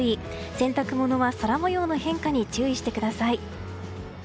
洗濯物は空模様の変化に注意してください。